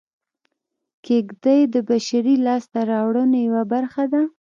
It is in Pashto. کېږدۍ د بشري لاسته راوړنو یوه برخه ده